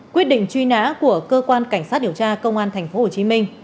quyết định truy nã của cơ quan cảnh sát điều tra công an tp hcm